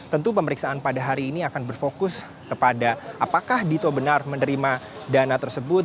tentu pemeriksaan pada hari ini akan berfokus kepada apakah dito benar menerima dana tersebut